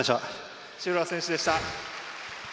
塩浦選手でした。